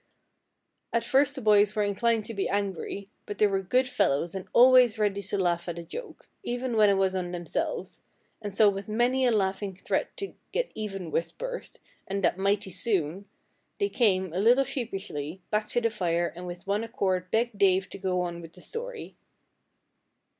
At first the boys were inclined to be angry, but they were good fellows and always ready to laugh at a joke, even when it was on themselves, and so with many a laughing threat to "get even with Bert, and that mighty soon," they came, a little sheepishly, back to the fire and with one accord begged Dave to go on with the story.